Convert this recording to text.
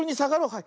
はい。